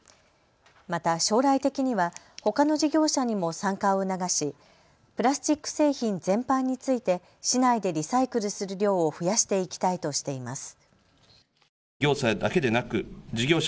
また将来的にはほかの事業者にも参加を促しプラスチック製品全般について市内でリサイクルする量を増やしていきたいとしています。